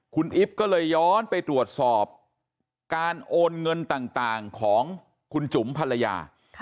คุณอิ๊บก็เลยย้อนไปตรวจสอบการโอนเงินต่างของคุณจุ๋มภรรยา